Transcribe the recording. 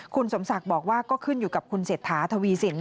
คุณสมศักดิ์บอกว่าก็ขึ้นอยู่กับคุณเศรษฐาทวีสิน